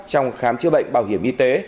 trong khám chữa bệnh bảo hiểm y tế